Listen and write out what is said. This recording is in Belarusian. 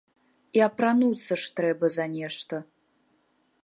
І апрануцца ж трэба за нешта.